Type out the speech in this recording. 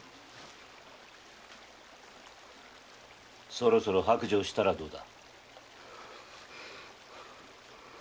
そろそろ白状したらどうだ。